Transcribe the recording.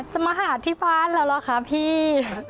มาหาที่บ้านแล้วเหรอคะพี่